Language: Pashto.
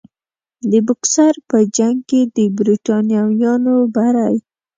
د بوکسر په جنګ کې د برټانویانو بری.